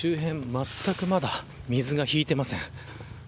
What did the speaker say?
まったくまだ水が引いてません。